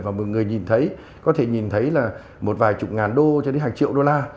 và mọi người nhìn thấy có thể nhìn thấy là một vài chục ngàn đô cho đến hàng triệu đô la